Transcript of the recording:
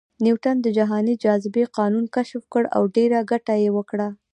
نیوټن د جهاني جاذبې قانون کشف کړ او ډېره ګټه یې وکړه